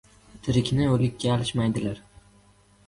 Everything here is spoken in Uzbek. • Tirikni o‘likka alishmaydilar.